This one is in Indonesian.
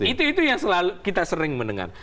itu itu yang kita sering mendengar